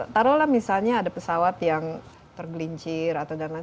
taruhlah misalnya ada pesawat yang tergelincir atau dan lain lain